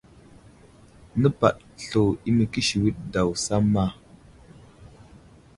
Nepaɗ slu i məkisiwid daw samma.